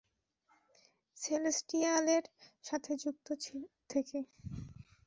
সেলেস্টিয়ালের সাথে যুক্ত থেকে।